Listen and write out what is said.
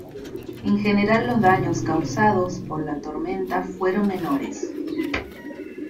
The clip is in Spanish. En general los daños causados por la tormenta fueron menores.